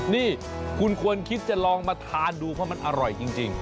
นี่คุณควรคิดจะลองมาทานดูเพราะมันอร่อยจริง